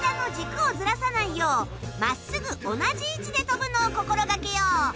真っすぐ同じ位置で跳ぶのを心掛けよう。